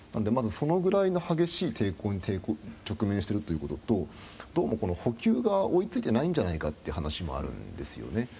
まず、そのぐらいの激しい抵抗に直面しているということとどうも、補給が追い付いていないという話もあるんですよね。